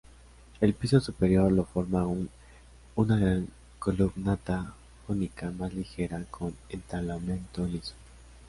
El piso superior lo forma una columnata jónica, más ligera, con entablamento liso.